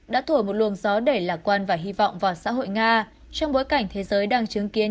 đã thổi một luồng gió đẩy lạc quan và hy vọng vào xã hội nga trong bối cảnh thế giới đang chứng kiến